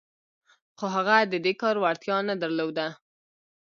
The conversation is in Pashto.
خو هغه د دې کار وړتیا نه درلوده